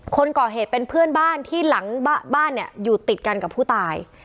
คนก่อเหตุเป็นเพื่อนบ้านที่หลังบ้านเนี่ยอยู่ติดกันกับผู้ตาย